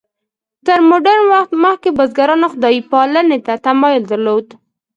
تر مډرن وخت مخکې بزګرانو خدای پالنې ته تمایل درلود.